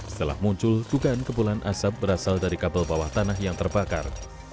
setelah muncul dugaan kebulan asap berasal dari kabel bawah tanah yang terbakar